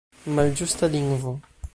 Malĝusta lingvo!